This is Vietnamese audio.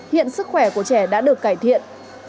hiện sức khỏe của trẻ đã được cải thiện